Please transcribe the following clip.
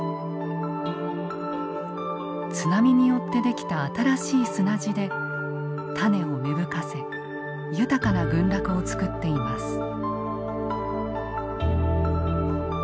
津波によって出来た新しい砂地で種を芽吹かせ豊かな群落を作っています。